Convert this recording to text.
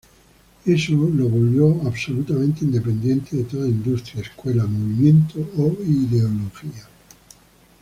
Eso lo volvió absolutamente independiente de toda industria, escuela, movimiento o ideología.